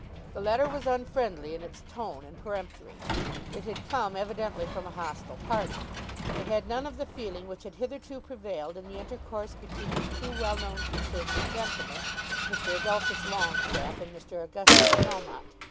The letter was unfriendly in its tone and peremptory. It had come evidently from a hostile party. It had none of the feeling which had hitherto prevailed in the intercourse between these two well known Conservative gentlemen, Mr. Adolphus Longestaffe and Mr. Augustus Melmotte.